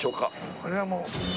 これはもう。